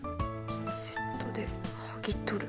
ピンセットではぎ取る。